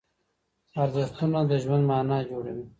ارزښتونه د ژوند مانا جوړوي.